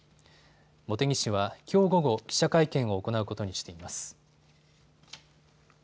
茂木氏はきょう午後、記者会見を行うことにしています。